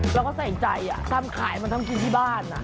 เราก็ใส่ใจทำขายมันทำกินที่บ้าน